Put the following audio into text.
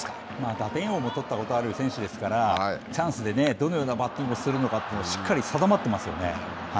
打点王も取ったことがある選手ですから、チャンスでどのようなバッティングをするのか、しっかり定まっていますよね。